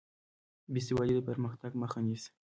بېسوادي د پرمختګ مخه نیسي.